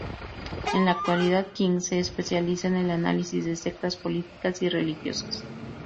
En la actualidad, King se especializa en el análisis de sectas políticas y religiosas.